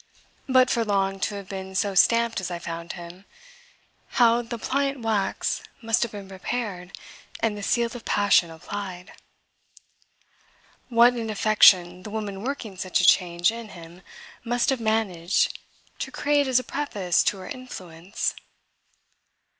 But for Long to have been so stamped as I found him, how the pliant wax must have been prepared and the seal of passion applied! What an affection the woman working such a change in him must have managed to create as a preface to her influence!